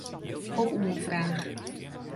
Op oanfraach.